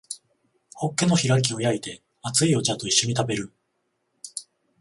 ホッケの開きを焼いて熱いお茶と一緒に食べる